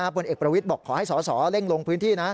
ผลเอกประวิทย์บอกขอให้สสเร่งลงพื้นที่นะ